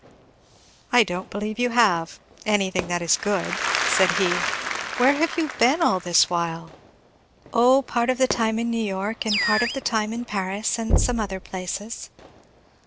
"I don't believe you have, anything that is good," said he. "Where have you been all this while?" "O part of the time in New York, and part of the time in Paris, and some other places."